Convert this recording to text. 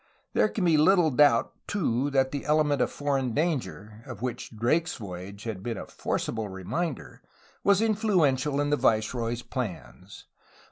There can be little GALI AND RODRIGUEZ CERMENHO 115 doubt, too, that the element of foreign danger, of which Drake's voyage had been a forcible reminder, was influential in the viceroy's plans.